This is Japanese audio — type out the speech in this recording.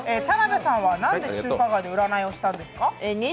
田辺さんはなんで中華街で占いをしたんですか？